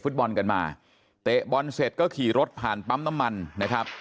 ฟุตบอลกันมาเตะบอลเสร็จก็ขี่รถผ่านปั๊มน้ำมันนะครับ